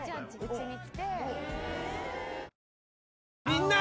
みんな！